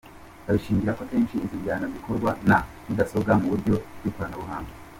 Babishingira ko akenshi izo njyana zikorwa na mudasobwa, mu buryo bw’ikoranabuhanga.